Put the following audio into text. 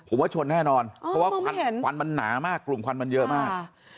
ผมว่าชนแน่นอนเพราะว่าควันมันหนามากกลุ่มควันมันเยอะมาก